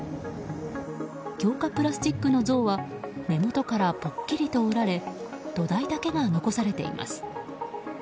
強化プラスチックの象は根元からポッキリと折られ土台だけが残されています。